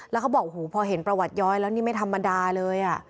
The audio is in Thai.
แล้วเขาบอกโอ้โหพอเห็นประวัติย้อยแล้วนี่ไม่ธรรมดาเลย